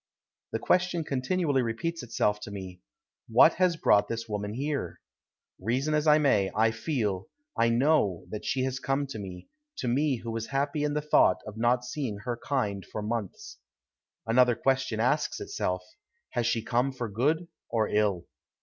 The question continually repeats itself to me, What has brought this woman here? Reason as I may, I feel, I know, that she has come to me; to me who was happy in the thought of not seeing her kind for months. Another question asks itself, Has she come for good or ill?